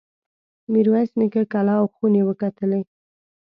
میرویس نیکه کلا او خونې وکتلې.